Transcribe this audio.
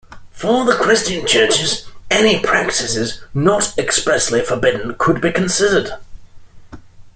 For the Christian Churches, any practices not expressly forbidden could be considered.